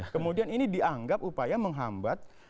kemudian ini dianggap upaya menghambat